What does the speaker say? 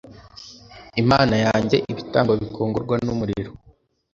imana yanjye ibitambo bikongorwa n umuriro